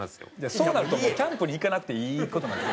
そうなるともうキャンプに行かなくていい事になる。